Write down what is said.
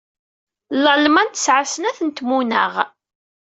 Lalman tesɛa snat n tmunaɣ.